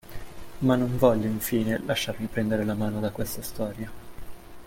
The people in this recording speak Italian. Ma non voglio infine lasciarmi prendere la mano da questa storia.